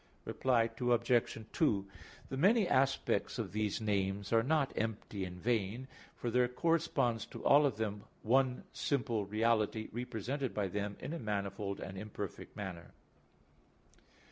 Reply Obj. 2: The many aspects of these names are not empty and vain, for there corresponds to all of them one simple reality represented by them in a manifold and imperfect manner.